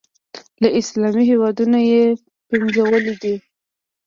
له اسلامي هېوادونو یې پنځولي دي.